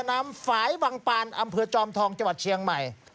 นำฝ่ายบังปานอำเภอจอมทองจังหวัดเชียงใหม่